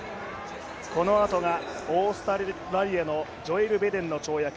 このあとがオーストラリアのジョエル・バデンの跳躍。